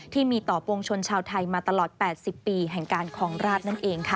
ที่มีต่อปวงชนชาวไทยมาตลอด๘๐ปีแห่งการคลองราชนั่นเองค่ะ